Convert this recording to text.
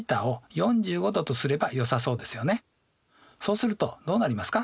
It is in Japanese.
そうするとどうなりますか？